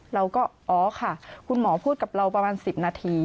เราก็อ๋อค่ะคุณหมอพูดกับเราประมาณ๑๐นาที